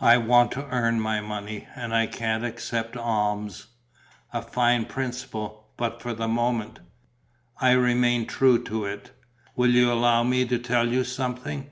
"I want to earn my money and I can't accept alms." "A fine principle. But for the moment ..." "I remain true to it." "Will you allow me to tell you something?"